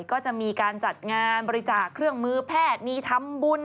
ก็จะมีการจัดงานบริจาคเครื่องมือแพทย์มีทำบุญ